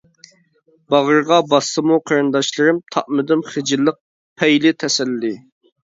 باغرىغا باسسىمۇ قېرىنداشلىرىم، تاپمىدىم خىجىللىق پەيلى تەسەللى.